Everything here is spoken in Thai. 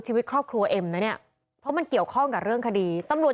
ชีวิตครอบครัวเอ็มนะเนี่ยเพราะมันเกี่ยวข้องกับเรื่องคดีตำรวจ